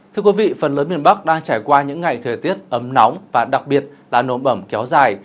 thưa quý vị phần lớn miền bắc đang trải qua những ngày thời tiết ấm nóng và đặc biệt là nồm ẩm kéo dài